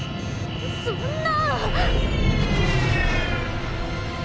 そんな。